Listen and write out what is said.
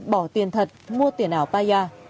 bỏ tiền thật mua tiền ảo paya